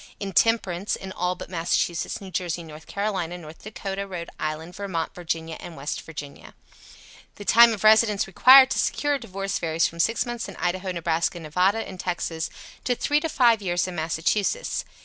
Intemperance, in all but Massachusetts, New Jersey, North Carolina, North Dakotah, Rhode Island, Vermont, Virginia and West Virginia. The time of residence required to secure a divorce varies from 6 months in Idaho, Nebraska, Nevada and Texas to 3 to 5 years in Massachusetts.